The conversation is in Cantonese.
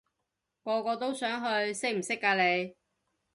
個個都想去，識唔識㗎你？